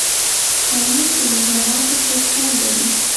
ترموز د روژه ماتي خوږ خوند لري.